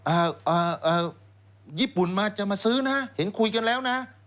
อ่าเอ่อญี่ปุ่นมาจะมาซื้อนะเห็นคุยกันแล้วนะ